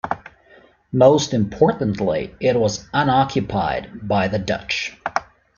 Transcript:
Most importantly, it was unoccupied by the Dutch.